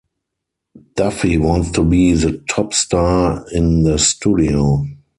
Daffy wants to be the top star in the studio.